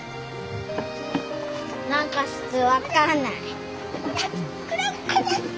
何か分かんない。